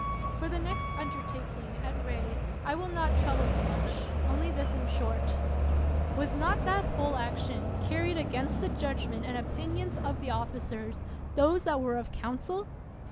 For the next undertaking, at Rhee, I will not trouble you much; only this in short: Was not that whole action carried against the judgment and opinions of the officers — those that were of council